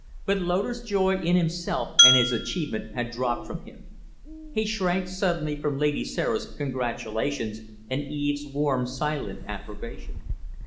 But Loder's joy in himself and his achievement had dropped from him. He shrank suddenly from Lady Sarah's congratulations and Eve's warm, silent approbation.